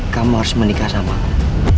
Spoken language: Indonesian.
kamu harus menikah sama aku